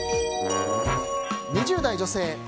２０代女性。